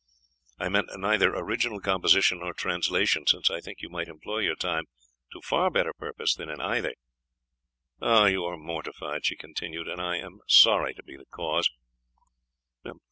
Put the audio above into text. I meant neither original composition nor translation, since I think you might employ your time to far better purpose than in either. You are mortified," she continued, "and I am sorry to be the cause."